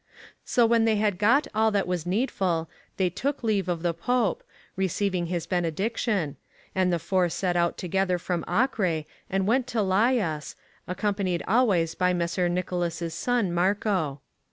^ So when they had got all that was needful, they took leave of the Pope, receiving his benediction ; and the four set out together from Acre, and went to Lay as, accompanied always by Messer Nicolas's son Marco.